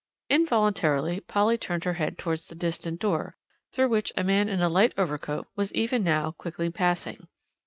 Involuntarily Polly turned her head towards the distant door, through which a man in a light overcoat was even now quickly passing.